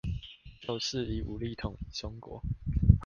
就是以武力統一中國